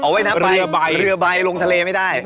ว่ายน้ำใบเรือใบลงทะเลไม่ได้